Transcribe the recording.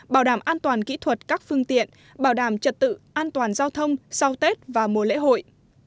bảo đảm an toàn kỹ thuật các phương tiện bảo đảm trật tự an toàn giao thông sau tết và mùa lễ hội